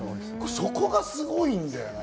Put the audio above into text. そこがすごいんだよね。